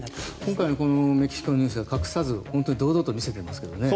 今回のメキシコのニュースでは隠さず堂々と見せていますけどね。